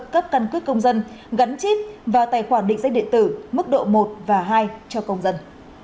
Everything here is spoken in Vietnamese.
cấp căn cước công dân gắn chip vào tài khoản định danh điện tử mức độ một và hai cho công dân